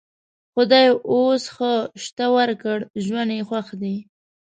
خدای اوس ښه شته ورکړ؛ ژوند یې خوښ دی.